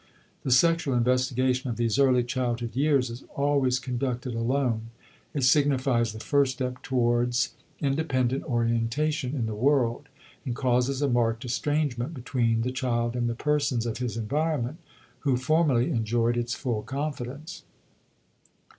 The sexual investigation of these early childhood years is always conducted alone, it signifies the first step towards independent orientation in the world, and causes a marked estrangement between the child and the persons of his environment who formerly enjoyed its full confidence.